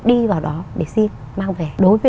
đi vào đó để xin mang về đối với